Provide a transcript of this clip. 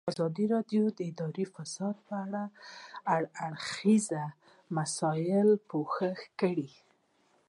ازادي راډیو د اداري فساد په اړه د هر اړخیزو مسایلو پوښښ کړی.